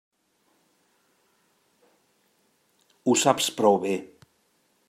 Ho saps prou bé.